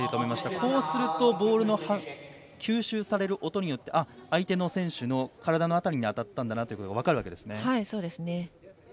こうするとボールの吸収される音によって相手選手の体の辺りに当たったことが分かるんですね。